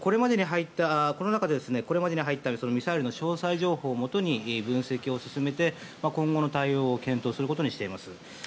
この中で、これまでに入ったミサイルの詳細情報をもとに分析を進めて、今後の対応を検討することにしています。